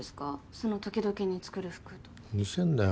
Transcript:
その時々に作る服うるせえんだよ